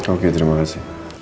oke terima kasih